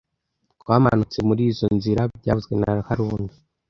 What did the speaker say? Twamanutse murizoi nzira byavuzwe na haruna